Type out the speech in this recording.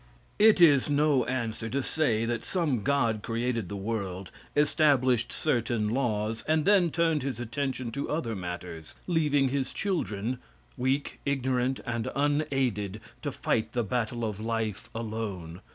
It is no answer to say that some god created the world, established certain laws, and then turned his attention to other matters, leaving his children, weak, ignorant and unaided, to fight the battle of life alone.